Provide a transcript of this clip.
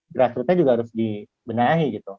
grassrootnya juga harus dibenahi gitu